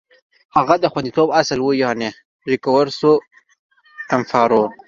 هغه د خوندیتوب اصل و، یعنې ریکورسو ډی امپارو و.